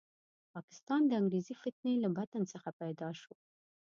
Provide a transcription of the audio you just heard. پاکستان د انګریزي فتنې له بطن څخه پیدا شو.